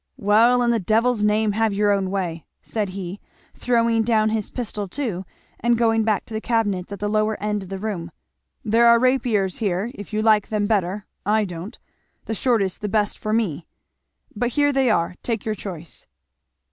"Well, in the devil's name, have your own way," said he, throwing down his pistol too, and going back to the cabinets at the lower end of the room, "there are rapiers here, if you like them better I don't, the shortest the best for me, but here they are take your choice."